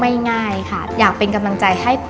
ในฐานะตอนนี้แพทย์รับสองตำแหน่งแล้วนะคะ